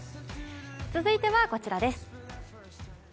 続いてはこちらです。